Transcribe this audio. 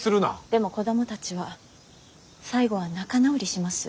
でも子供たちは最後は仲直りします。